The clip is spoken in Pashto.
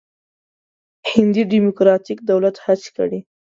هندي ډموکراتیک دولت هڅې کړې.